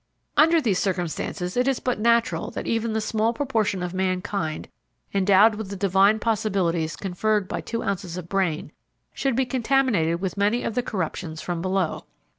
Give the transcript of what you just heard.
Under these circumstances it is but natural that even the small proportion of mankind endowed with the divine possibilities conferred by two ounces of brain, should be contaminated with many of the corruptions from below.